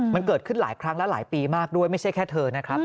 มันเกิดขึ้นหลายครั้งและหลายปีมากด้วยไม่ใช่แค่เธอนะครับ